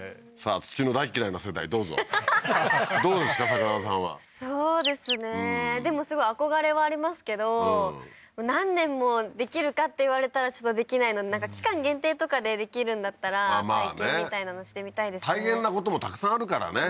桜田さんはそうですねでもすごい憧れはありますけど何年もできるかって言われたらちょっとできないので期間限定とかでできるんだったら体験みたいなのしてみたいですね大変なこともたくさんあるからね